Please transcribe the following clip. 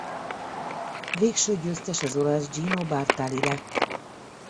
Végső győztes az olasz Gino Bartali lett.